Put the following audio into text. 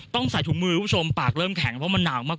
ต้องใส่ถุงมือคุณผู้ชมปากเริ่มแข็งเพราะมันหนาวมาก